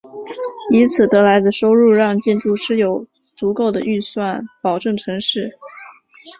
以此得来的收入让建筑师有足够的预算保证成事。